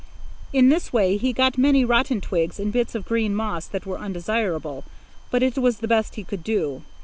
In this way he got many rotten twigs and bits of green moss that were undesirable, but it was the best he could do.